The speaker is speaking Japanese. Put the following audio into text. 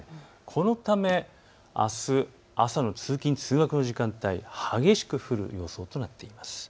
このため、あす朝の通勤通学の時間帯、激しく降る予想となっています。